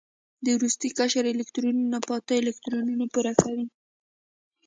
د وروستي قشر الکترونونه په اته الکترونونو پوره کوي.